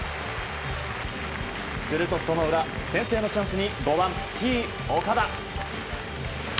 すると、その裏先制のチャンスに５番、Ｔ‐岡田。